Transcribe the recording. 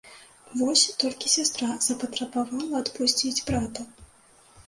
Вось толькі сястра запатрабавала адпусціць брата.